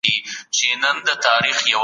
یو تمدن څومره وخت دوام کوي؟